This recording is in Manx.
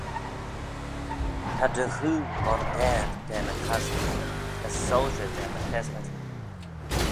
Ta dty ghoo londeyr da my chassyn: as soilshey da my chesmadyn.